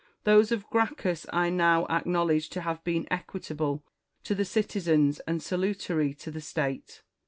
323 those of Gracchus I now acknowledge to have been equit able to the citizens and salutary to the State.